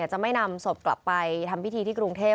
จะไม่นำศพกลับไปทำพิธีที่กรุงเทพ